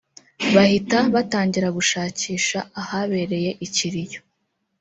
bahita batangira gushakisha ahabereye ikiriyo